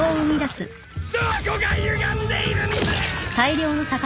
どこがゆがんでいるんだぁぁ！！